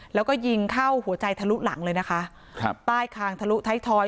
แล้วก็ยิงเข้าหัวใจทะลุหลังเลยนะคะครับใต้คางทะลุท้ายทอย